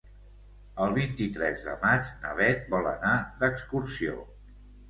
El vint-i-tres de maig na Beth vol anar d'excursió.